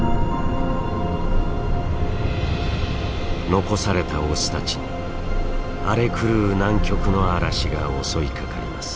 残されたオスたちに荒れ狂う南極の嵐が襲いかかります。